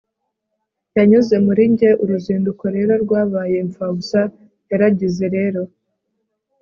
yanyuze muri njye. uruzinduko rero rwabaye impfabusa. yaragize rero